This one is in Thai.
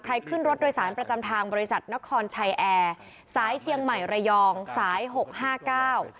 ขึ้นรถโดยสารประจำทางบริษัทนครชัยแอร์สายเชียงใหม่ระยองสายหกห้าเก้า